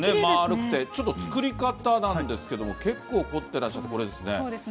丸くて、ちょっと作り方なんですけども、結構凝ってらっしゃって、これですね。